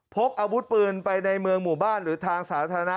พกอาวุธปืนไปในเมืองหมู่บ้านหรือทางสาธารณะ